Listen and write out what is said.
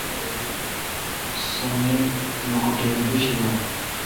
سو می لوکوٹییر گش یار۔